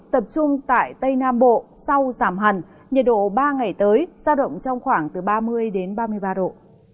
mưa rông tại tây nam bộ sau giảm hẳn nhiệt độ ba ngày tới ra động trong khoảng từ ba mươi đến ba mươi ba độ